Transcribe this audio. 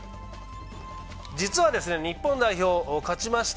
実は日本代表勝ちました。